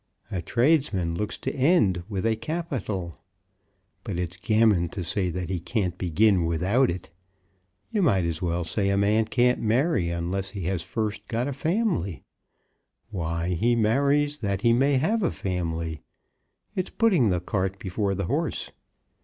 A tradesman looks to end with a capital. But it's gammon to say that he can't begin without it. You might as well say a man can't marry unless he has first got a family. Why, he marries that he may have a family. It's putting the cart before the horse.